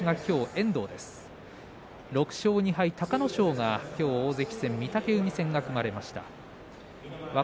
６勝２敗、隆の勝が御嶽海戦が組まれました。